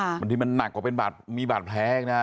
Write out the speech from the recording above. อันที่มันหนักกว่ามีบัตรแพรงนะ